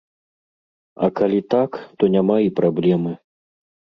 А калі так, то няма і праблемы.